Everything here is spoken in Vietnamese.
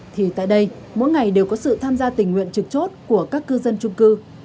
thì tại đây mỗi ngày đều có sự tham gia tình nguyện trực chốt của các cư dân trung cư